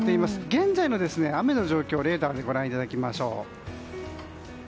現在の雨の状況をレーダーでご覧いただきましょう。